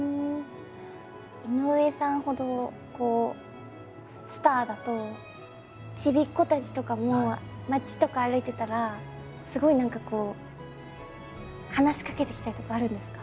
井上さんほどスターだとちびっこたちとかも街とか歩いてたらすごい何かこう話しかけてきたりとかあるんですか？